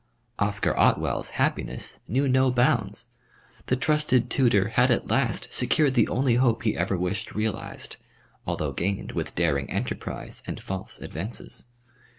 Oscar Otwell's happiness knew no bounds. The trusted tutor had at last secured the only hope he ever wished realised, although gained with daring enterprise and false advances.